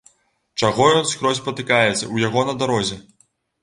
Чаго ён скрозь патыкаецца ў яго на дарозе?